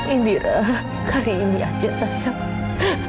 indira kali ini aja sayang